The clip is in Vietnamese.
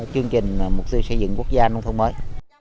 chương trình mục tiêu xây dựng quốc gia nông thôn mới